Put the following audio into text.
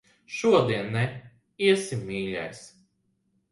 Šodien ne. Iesim, mīļais.